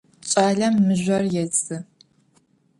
Ç'alem mızjor yêdzı.